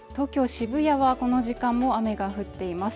渋谷はこの時間も雨が降っています